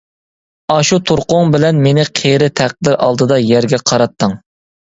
ئاشۇ تۇرقۇڭ بىلەن مېنى قېرى تەقدىر ئالدىدا يەرگە قاراتتىڭ.